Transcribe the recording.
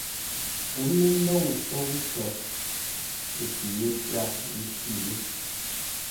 Ə́ mə́ ndôu sóu cwər, tû yé tyâr ńcwí yé.